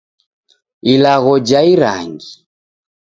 Ilagho ja irangi.